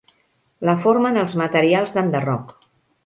La formen els materials d'enderroc.